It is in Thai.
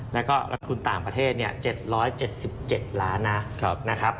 แล้วก็รัฐทุนต่างประเทศ๗๗ล้านนะครับ